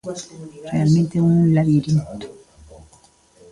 Realmente é un labirinto.